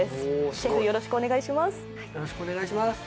シェフよろしくお願いします。